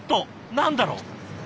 何だろう？